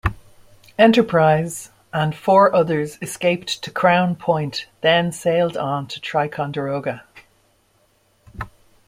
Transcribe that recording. "Enterprise" and four others escaped to Crown Point, then sailed on to Ticonderoga.